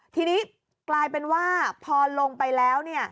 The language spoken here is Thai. ทีนี้กลายเป็นว่าพอลงไปแล้ว